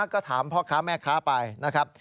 ก็ถามพ่อค้าแม่ค้าไปนะครับ